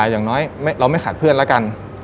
อย่างน้อยเราไม่ขาดเพื่อนแล้วกัน